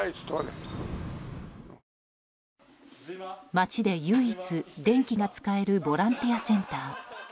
街で唯一、電気が使えるボランティアセンター。